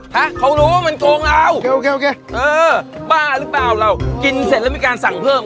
ฮะเขารู้ว่ามันโกงเราบ้าหรือเปล่าเรากินเสร็จแล้วมีการสั่งเพิ่ม